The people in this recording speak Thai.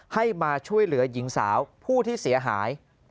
ให้มาช่วยเหลือหญิงสาวผู้ที่เสียหาย